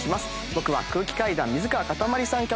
僕は空気階段水川かたまりさん